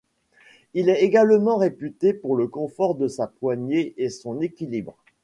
Il est également réputé pour le confort de sa poignée et son équilibre.